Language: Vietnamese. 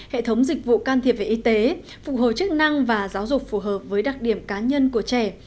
hệ thống dịch vụ can thiệp về y tế phục hồi chức năng và giáo dục phù hợp với đặc điểm cá nhân của trẻ